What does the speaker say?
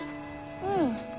うん。